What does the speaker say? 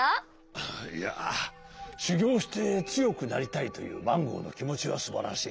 ああいやしゅぎょうしてつよくなりたいというマンゴーのきもちはすばらしい。